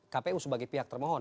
kpu sebagai pihak termohon